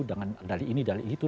dengan dali ini dali itu